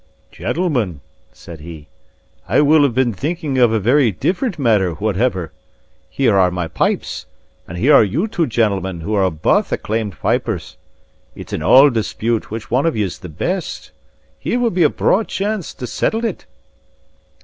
"Gentlemen," said he, "I will have been thinking of a very different matter, whateffer. Here are my pipes, and here are you two gentlemen who are baith acclaimed pipers. It's an auld dispute which one of ye's the best. Here will be a braw chance to settle it."